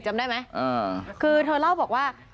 จำได้ไหมคือเธอเล่าบอกว่า